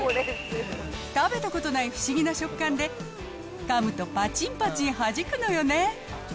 食べたことない不思議な食感で、かむとぱちんぱちんはじくのよね。